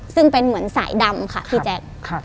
ซึ่งเป็นเหมือนสายดำค่ะพี่แจ๊ค